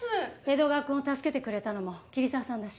江戸川くんを助けてくれたのも桐沢さんだし。